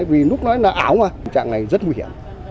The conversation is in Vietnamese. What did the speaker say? vì lúc đó là ảo mà trạng này rất nguy hiểm